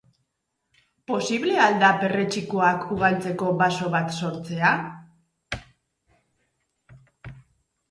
Posible al da perretxikoak ugaltzeko baso bat sortzea?